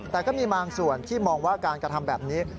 แต่ก็มีบางส่วนที่มองว่าการกระทำแบบนี้